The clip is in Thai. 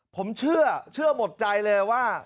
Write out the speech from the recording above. ผมเชื่อหมดใจเลยว่า